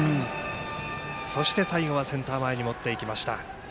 そして最後はセンター前に持っていきました。